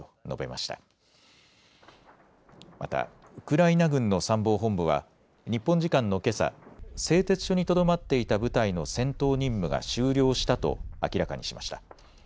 またウクライナ軍の参謀本部は日本時間のけさ、製鉄所にとどまっていた部隊の戦闘任務が終了したと明らかにしました。